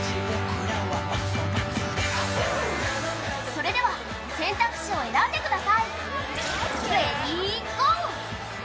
それでは選択肢を選んでください、レディーゴー！